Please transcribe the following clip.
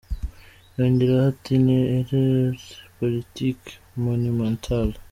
Yongeraho ati ni erreur politique monumentale.